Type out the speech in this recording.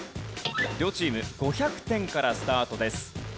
両チーム５００点からスタートです。